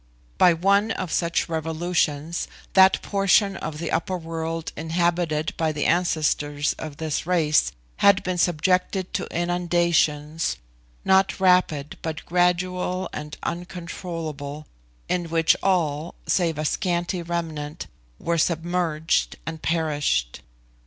By one of such revolutions, that portion of the upper world inhabited by the ancestors of this race had been subjected to inundations, not rapid, but gradual and uncontrollable, in which all, save a scanty remnant, were submerged and perished.